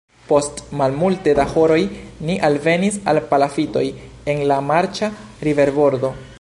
Post malmulte da horoj ni alvenis al palafitoj en la marĉa riverbordo.